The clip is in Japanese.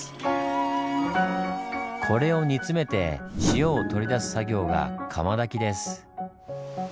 これを煮詰めて塩を取り出す作業が「釜焚き」です。